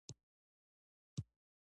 دا زیرمې زموږ د اولادونو حق دی.